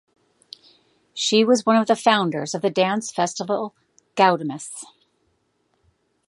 She was one of the founders of the dance festival Gaudeamus.